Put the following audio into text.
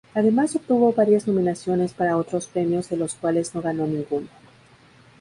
Además obtuvo varias nominaciones para otros premios de los cuales no ganó ninguno.